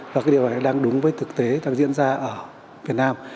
và cái điều này đang đúng với thực tế đang diễn ra ở việt nam